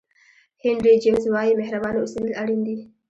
هینري جمیز وایي مهربانه اوسېدل اړین دي.